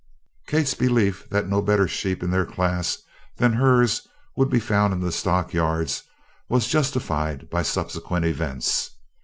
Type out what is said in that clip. Kate's belief that no better sheep of their class than hers would be found in the stockyards was justified by subsequent events.